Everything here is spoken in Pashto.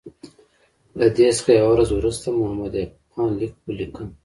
له دې څخه یوه ورځ وروسته محمد یعقوب خان لیک ولیکه.